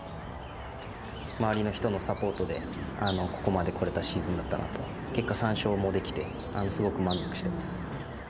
周りの人のサポートで、ここまで来れたシーズンだったのと、結果、３勝もできて、すごく満足してます。